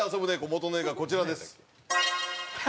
元の絵がこちらです。